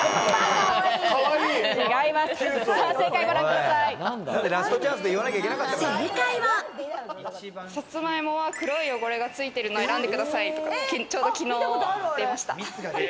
サツマイモは黒い汚れがついているのを選んでくださいって、ちょうど昨日出ました。